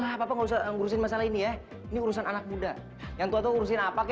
apa apa ngurusin masalah ini ya ini urusan anak muda yang tuh urusin apa ke